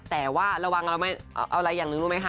แต่ว่าระวังเราไม่เอาอะไรอย่างหนึ่งรู้ไหมคะ